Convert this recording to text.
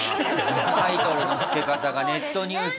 タイトルの付け方がネットニュースだこれ。